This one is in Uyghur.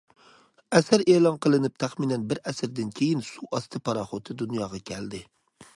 ئەسەر ئېلان قىلىنىپ تەخمىنەن بىر ئەسىردىن كىيىن سۇ ئاستى پاراخوتى دۇنياغا كەلدى.